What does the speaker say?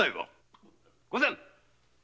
・御前。